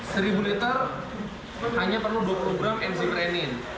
seribu liter hanya perlu dua puluh gram enzim renin